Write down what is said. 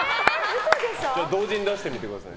同時に出してみてください。